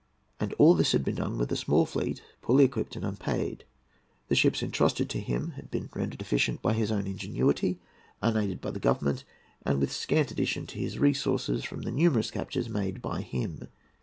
And all this had been done with a small fleet, poorly equipped and unpaid. The ships entrusted to him had been rendered efficient by his own ingenuity, unaided by the Government, and with scant addition to his resources from the numerous captures made by him.